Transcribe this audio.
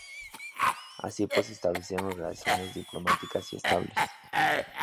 Así pues establecieron relaciones diplomáticas y estables.